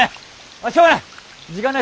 まっしょうがない！